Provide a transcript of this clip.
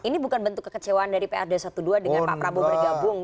ini bukan bentuk kekecewaan dari prd satu dua dengan pak prabowo bergabung